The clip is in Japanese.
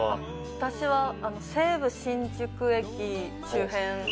私は西武新宿駅周辺。